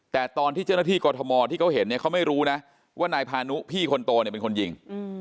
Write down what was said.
แต่ตอนที่เจ้าหน้าที่กรทมที่เขาเห็นเนี่ยเขาไม่รู้นะว่านายพานุพี่คนโตเนี่ยเป็นคนยิง